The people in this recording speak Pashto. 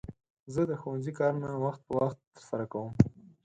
زه د ښوونځي کارونه وخت په وخت ترسره کوم.